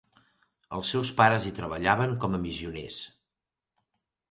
Els seus pares hi treballaven com a missioners.